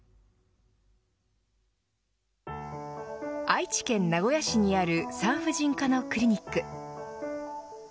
愛知県名古屋市にある産婦人科のクリニック。